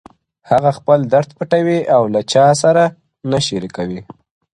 هغه خپل درد پټوي او له چا سره نه شريکوي,